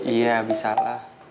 iya bisa lah